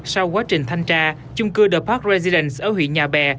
sau quá trình thanh tra chung cư the park rezillace ở huyện nhà bè